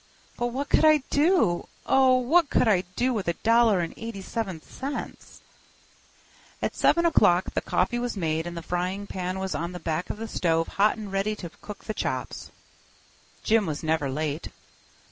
But what could I do—oh! what could I do with a dollar and eighty seven cents?" At 7 o'clock the coffee was made and the frying pan was on the back of the stove hot and ready to cook the chops. Jim was never late.